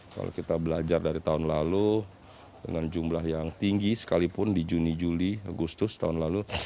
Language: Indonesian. kalau kita belajar dari tahun lalu dengan jumlah yang tinggi sekalipun di juni juli agustus tahun lalu